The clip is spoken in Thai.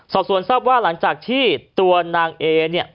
สอบส่วนทราบว่าหลังจากที่ตัวนางเอเนี่ย